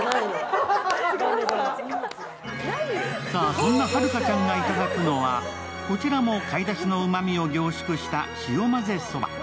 さぁ、そんなはるかちゃんがいただくのはこちらも貝だしのうまみを凝縮した潮まぜそば。